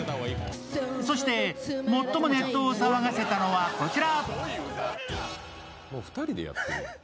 そして最もネットを騒がせたのがこちら。